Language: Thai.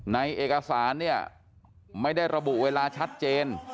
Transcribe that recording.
ในเอกสารเนี่ยไม่ได้ระบุเวลาชัดเจน